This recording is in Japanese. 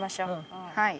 はい。